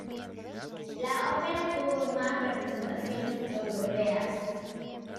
La ópera tuvo más representaciones europeas.